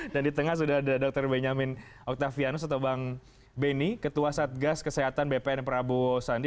dan di tengah sudah ada dr benyamin oktavianus atau bang beni ketua satgas kesehatan bpn prabowo sandi